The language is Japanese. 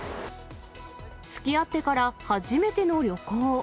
つきあってから初めての旅行。